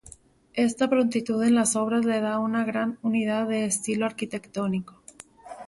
Esta prontitud en las obras le da una gran unidad de estilo arquitectónico.